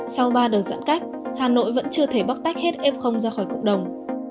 sau ba đợt giãn cách hà nội vẫn chưa thể bóc tách hết f ra khỏi cộng đồng